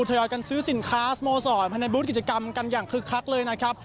ทยอยกันซื้อสินค้าสโมสรภายในบูธกิจกรรมกันอย่างคึกคักเลยนะครับ